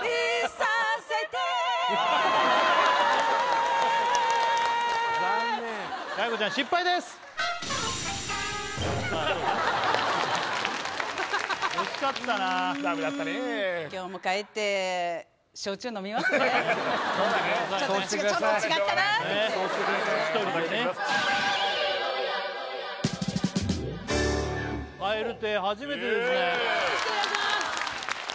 イエーイよろしくお願いします